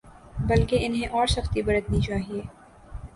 بلکہ انہیں اور سختی برتنی چاہیے۔